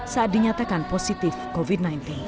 saat dinyatakan positif covid sembilan belas